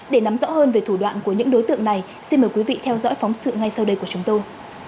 để nắm rõ hơn về thủ đoạn của những đối tượng này xin mời quý vị theo dõi phóng sự ngay sau đây của chúng tôi